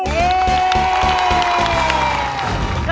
โอ้โฮ